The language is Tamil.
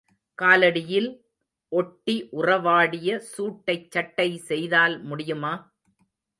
காலடியில் ஒட்டி உறவாடிய சூட்டைச் சட்டை செய்தால் முடியுமா?